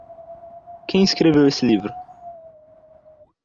Quem escreveu este livro?